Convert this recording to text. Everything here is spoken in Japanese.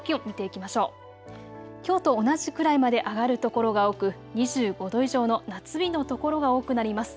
きょうと同じくらいまで上がる所が多く、２５度以上の夏日の所が多くなります。